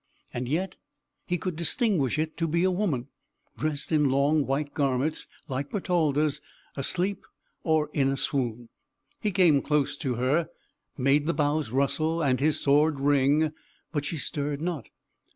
And yet he could distinguish it to be a woman, dressed in long white garments like Bertalda's, asleep or in a swoon. He came close to her, made the boughs rustle, and his sword ring but she stirred not.